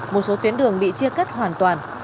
một số tuyến đường bị chia cắt hoàn toàn